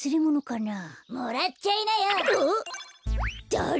だれ？